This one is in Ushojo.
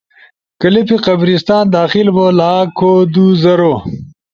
کلپ قبرستان، داخل بو، لاکھو دو زرو